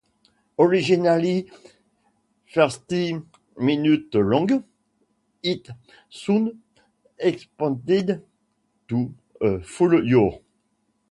Originally thirty minutes long, it soon expanded to a full hour.